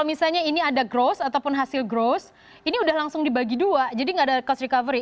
ini sudah langsung dibagi dua jadi gak ada cost recovery